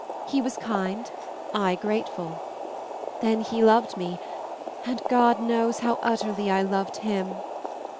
He was kind, I grateful; then he loved me, and God knows how utterly I loved him!